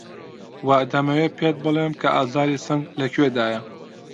وە دەمەوێ پێت بڵێم کە ئازاری سنگ لە کوێدایه